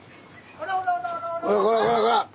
こらこらこらこら！